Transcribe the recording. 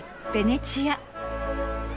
ベネチア。